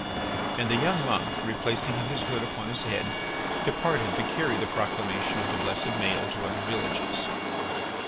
And the young monk, replacing his hood upon his head, departed to carry the proclamation of the blessed Maël to other villages.